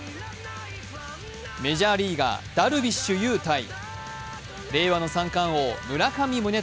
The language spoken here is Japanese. メジャーリーガー・ダルビッシュ有対令和の三冠王・村上宗隆。